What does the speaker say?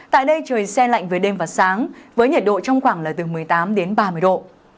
tại đây trời xe lạnh với đêm và sáng với nhiệt độ trong khoảng là từ một mươi tám đến ba mươi độ